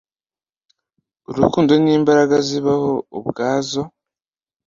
urukundo ni imbaraga zibaho ubwazo